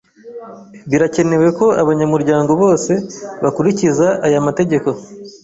Birakenewe ko abanyamuryango bose bakurikiza aya mategeko.